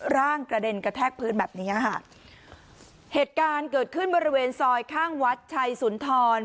ร่างกระเด็นกระแทกพื้นแบบเนี้ยค่ะเหตุการณ์เกิดขึ้นบริเวณซอยข้างวัดชัยสุนทร